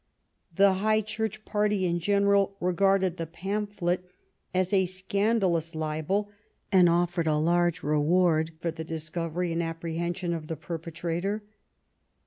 The High Church party in general regarded the pamphlet as a scandalous libel, and offered a large reward for the discovery and apprehension of the perpetrator.